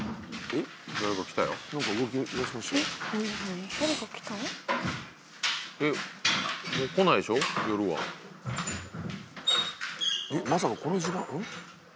えっまさかこの時間。